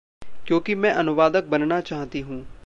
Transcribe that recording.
क्योंकि मैं अनुवादक बनना चाहती हूँ।